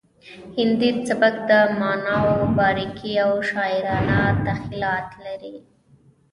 هندي سبک د معناوو باریکۍ او شاعرانه تخیلات لري